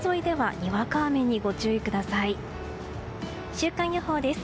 週間予報です。